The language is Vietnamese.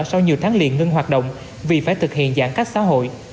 sau nhiều tháng liền ngưng hoạt động vì phải thực hiện giãn cách xã hội